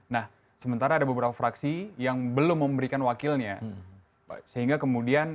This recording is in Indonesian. nah sementara ada beberapa fraksi yang belum memberikan wakilnya sehingga kemudian